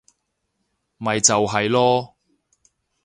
咪就係囉